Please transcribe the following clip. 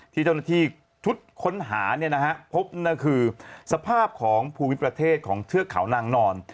ที่เจ้าหน้าที่ชุดค้นหาพบนั่นคือสภาพของภูมิประเทศของเทือกเขานางนอน